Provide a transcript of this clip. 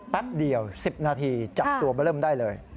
แป๊บเดียว๑๐นาทีจับตัวเบอร์เริ่มได้เลย